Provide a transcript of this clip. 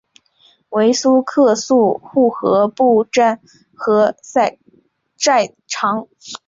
为苏克素护河部沾河寨长。